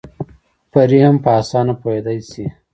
پرې هم په اسانه پوهېدی شي